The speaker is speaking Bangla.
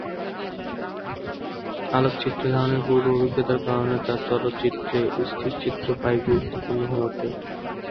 আলোকচিত্র ধারণের পূর্ব অভিজ্ঞতার কারণে তার চলচ্চিত্রে স্থির চিত্র প্রায়ই গুরুত্বপূর্ণ হয়ে ওঠে।